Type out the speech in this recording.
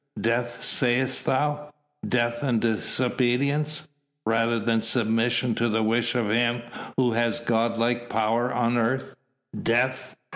Death, sayest thou?... Death and disobedience rather than submission to the wish of him who has god like power on earth. Death!"